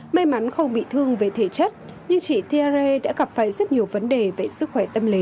may mắn không bị thương về thể chất nhưng chị thierry đã gặp phải rất nhiều vấn đề về sức khỏe tâm lý